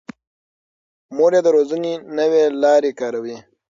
مور یې د روزنې نوې لارې کاروي.